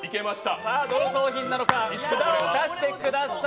どの商品なのか、札を出してください。